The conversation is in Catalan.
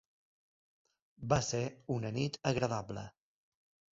Va ser una nit agradable.